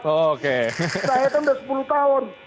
saya itu sudah sepuluh tahun